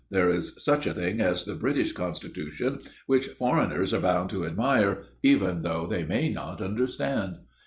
There is such a thing as the British Constitution, which foreigners are bound to admire, even though they may not understand."